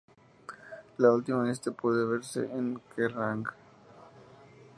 La última lista puede verse en Kerrang!